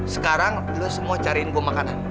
sekarang lo semua cariin gue makanan